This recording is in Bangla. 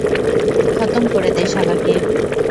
খতম করে দে শালা কে।